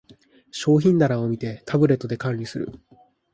商品棚を見て、タブレットで管理する